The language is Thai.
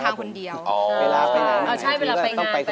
อายุ๒๔ปีวันนี้บุ๋มนะคะ